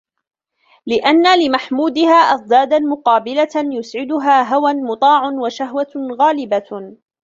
لِأَنَّ لِمَحْمُودِهَا أَضْدَادًا مُقَابِلَةً يُسْعِدُهَا هَوًى مُطَاعٌ وَشَهْوَةٌ غَالِبَةٌ